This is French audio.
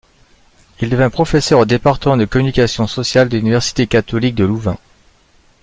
Il devint professeur au département de communication sociale de l’Université catholique de Louvain.